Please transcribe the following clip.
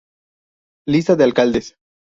Lista de alcaldes